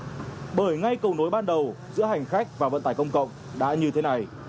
vì vậy bởi ngay cầu nối ban đầu giữa hành khách và vận tải công cộng đã như thế này